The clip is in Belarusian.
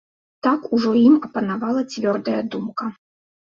Так ужо ім апанавала цвёрдая думка.